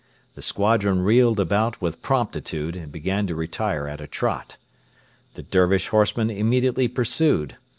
The squadron wheeled about with promptitude, and began to retire at a trot. The Dervish horsemen immediately pursued.